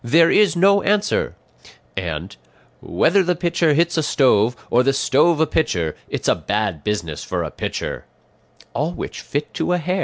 there is no answer;' and 'whether the pitcher hits the stone, or the stone the pitcher, it's a bad business for the pitcher;' all which fit to a hair?